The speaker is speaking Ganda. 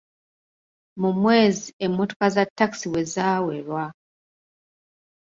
Mu mwezi emmotoka za takisi wezaawerwa.